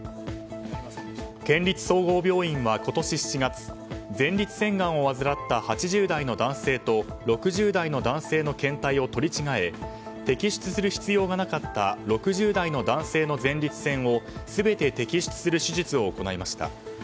県立総合病院は今年７月前立腺がんを患った８０代の男性と６０代の男性の検体を取り違え摘出する必要がなかった６０代の男性の前立腺を全て摘出する手術を行いました。